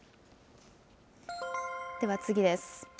では次です。